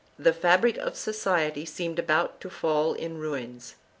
The fabric of society seemed about to fall in ruins.